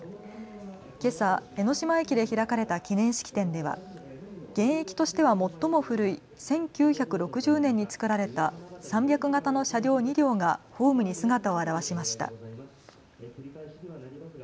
けさ江ノ島駅で開かれた記念式典では現役としては最も古い１９６０年につくられた３００形の車両２両がホームに姿を現しました。